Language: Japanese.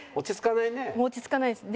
落ち着かないね。